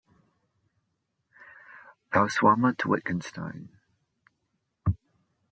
Bouwsma to Wittgenstein.